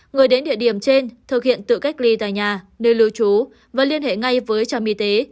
người đến địa điểm trên thực hiện tự cách ly tại nhà nơi lưu trú và liên hệ ngay với trạm y tế